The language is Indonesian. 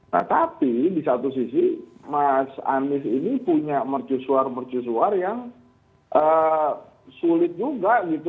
nah tapi di satu sisi mas anies ini punya mercusuar mercusuar yang sulit juga gitu